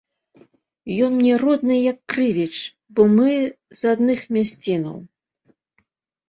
Ён мне родны, як крывіч, бо мы з адных мясцінаў.